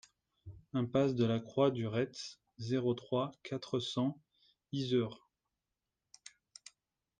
Impasse de la Croix du Retz, zéro trois, quatre cents Yzeure